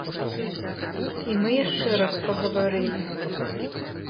І мы яшчэ раз пагаварылі.